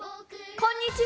こんにちは！